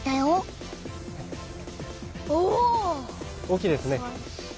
大きいですね。